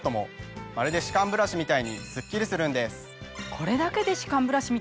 これだけで。